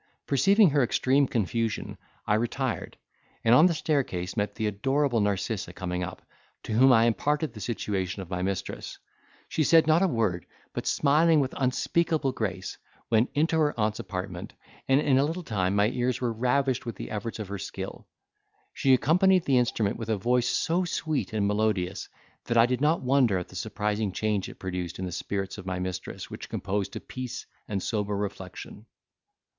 Perceiving her extreme confusion, I retired, and on the staircase met the adorable Narcissa coming up, to whom I imparted the situation of my mistress; she said not a word, but smiling with unspeakable grace, went into her aunt's apartment, and in a little time my ears were ravished with the efforts of her skill. She accompanied the instrument with a voice so sweet and melodious, that I did not wonder at the surprising change it produced on the spirits of my mistress which composed to peace and sober reflection.